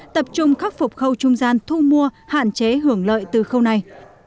tập trung khắc phục khâu trung gian thu mua hạn chế hưởng lợi từ khâu này